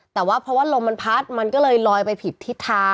แต่ว่าเพราะว่าลมมันพัดมันก็เลยลอยไปผิดทิศทาง